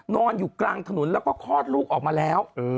นอนอยู่กลางถนนแล้วก็คลอดลูกออกมาแล้ว